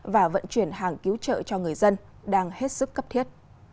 và vận chuyển hàng cứu trợ cho người dân đang hết sức cấp thiết